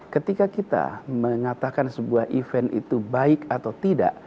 ketika kita mengatakan sebuah event itu baik atau tidak